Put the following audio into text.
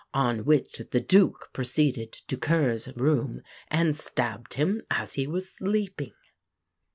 On which the Duke proceeded to Ker's room and stabbed him as he was sleeping."